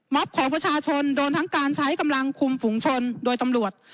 ของประชาชนโดนทั้งการใช้กำลังคุมฝุงชนโดยตำรวจ